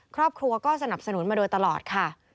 ครอบครัวก็สนับสนุนมาโดยตลอดค่ะ